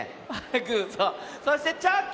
そしてチョキ！